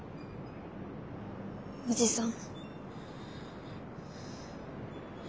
おじさん。